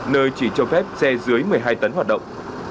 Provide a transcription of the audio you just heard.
nơi chỉ cho phép xe dưới một mươi hai tấn hoạt động